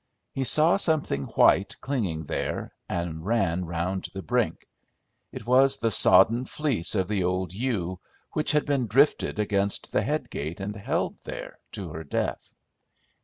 He saw something white clinging there, and ran round the brink. It was the sodden fleece of the old ewe, which had been drifted against the head gate and held there to her death.